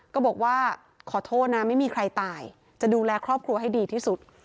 ก็บอกว่าขอโทษนะไม่มีใครตายจะดูแลครอบครัวให้ดีที่สุด